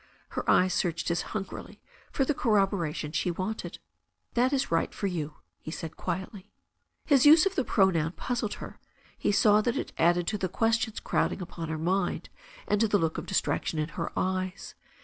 Her eyes searched his hungrily for the corroboration she wanted. "That is right for you," he said quietly. His use of the pronoun puzzled her. He saw that it added to the questions crowding upon her mind, and to the look of distraction in her eyes.